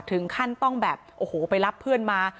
ถึงขั้นต้องแบบโอ้โหไปรับเพื่อนมา